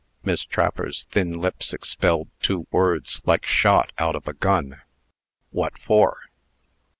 Miss Trapper's thin lips expelled two words, like shot out of a gun: "What for?"